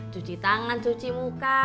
cuci tangan cuci muka